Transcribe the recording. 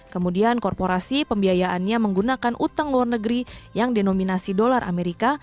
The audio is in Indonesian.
kemudian korporasi pembiayaannya menggunakan utang luar negeri yang denominasi dolar amerika